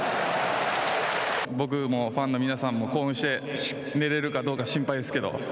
僕も、ファンの皆さんも興奮して寝れるかどうか心配ですけど。